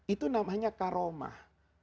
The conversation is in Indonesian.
itu namanya karomah